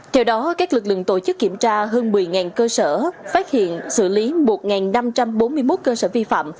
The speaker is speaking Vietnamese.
theo đó các lực lượng tổ chức kiểm tra hơn một mươi cơ sở phát hiện xử lý một năm trăm bốn mươi một cơ sở vi phạm